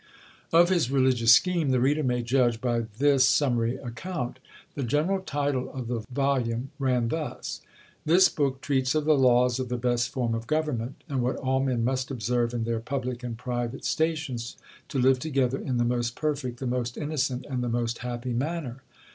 Of his religious scheme, the reader may judge by this summary account. The general title of the volume ran thus: "This book treats of the laws of the best form of government, and what all men must observe in their public and private stations, to live together in the most perfect, the most innocent, and the most happy manner."